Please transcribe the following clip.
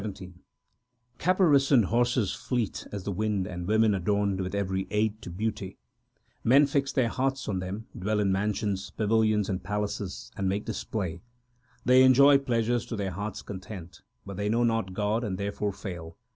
I R 242 THE SIKH RELIGION PAURI XVII Caparisoned horses fleet as the wind and women adorned with every aid to beauty 1 Men fix their hearts on them, dwell in mansions, pavilions and palaces, and make display ; They enjoy pleasures to their hearts content ; but they know not God and therefore fail.